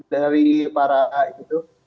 dari para itu tuh